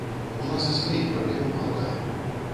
У нас і сваіх праблемаў хапае.